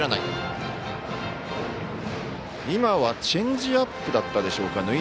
チェンジアップだったでしょうか。